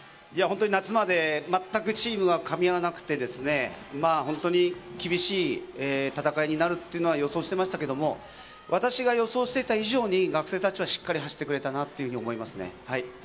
夏までまったくチームがかみ合わなくてですね、厳しい戦いになるというのは予想していましたけれど、私が予想していた以上に学生たちはしっかり走ってくれたなと思いますね。